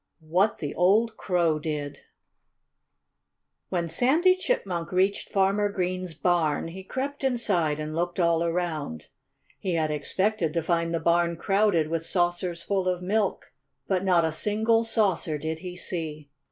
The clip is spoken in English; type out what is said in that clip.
XIX WHAT THE OLD COW DID When Sandy Chipmunk reached Farmer Green's barn he crept inside and looked all around. He had expected to find the barn crowded with saucers full of milk. But not a single saucer did he see.